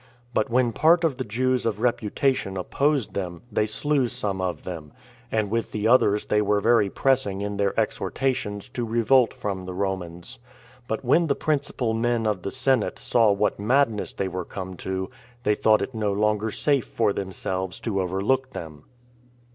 But when part of the Jews of reputation opposed them, they slew some of them, and with the others they were very pressing in their exhortations to revolt from the Romans; but when the principal men of the senate saw what madness they were come to, they thought it no longer safe for themselves to overlook them.